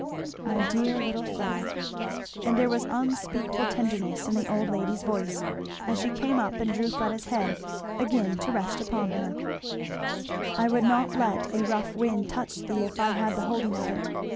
"My dear little Fleda!" and there was unspeakable tenderness in the old lady's voice, as she came up and drew Fleda's head again to rest upon her; "I would not let a rough wind touch thee if I had the holding of it.